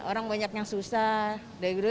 orang banyak yang susah